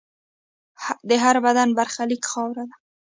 د هر بدن برخلیک خاوره ده.